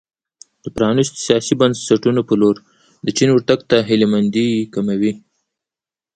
د پرانیستو سیاسي بنسټونو په لور د چین ورتګ ته هیله مندي کموي.